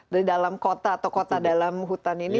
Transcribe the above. dari dalam kota atau kota dalam hutan ini